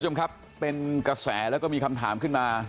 คุณผู้ชมครับเป็นกระแสแล้วก็มีคำถามขึ้นมา